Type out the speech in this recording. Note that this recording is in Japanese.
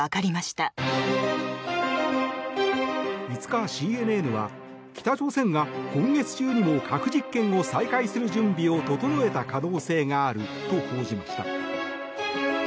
５日、ＣＮＮは北朝鮮が今月中にも核実験を再開する準備を整えた可能性があると報じました。